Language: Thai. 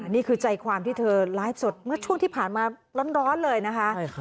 นี่คือใจความที่เธอไลฟ์สดเมื่อช่วงที่ผ่านมาร้อนเลยนะคะ